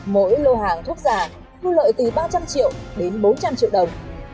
mỗi lô hàng thuốc giả thu lợi từ ba trăm linh triệu đến bốn trăm linh triệu đồng